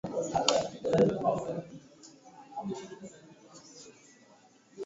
eneo la Aksum Ethiopia ya leo na Ukristo ulikuwa umeshafika